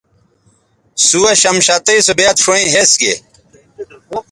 سُوہ شمشتئ سو بیاد شؤیں ھِس گے